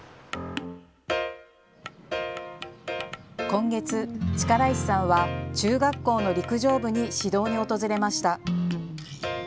今月、力石さんは中学校の陸上部に指導に訪れました。